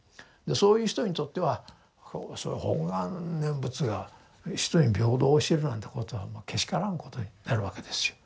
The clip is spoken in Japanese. そういう人にとっては本願念仏が人に平等を教えるなんてことはけしからんことになるわけですよ。